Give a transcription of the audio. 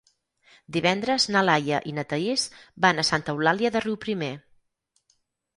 Divendres na Laia i na Thaís van a Santa Eulàlia de Riuprimer.